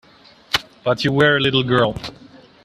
But you were a little girl.